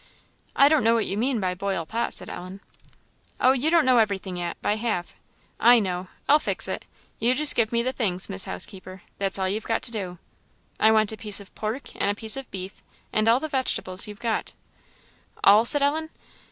"I don't know what you mean by 'boil pot,' " said Ellen. "Oh, you don't know everything yet, by half. I know I'll fix it. You just give me the things, Miss Housekeeper, that's all you've got to do; I want a piece of pork and a piece of beef, and all the vegetables you've got." "All?" said Ellen.